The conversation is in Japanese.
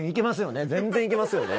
全然いけますよね？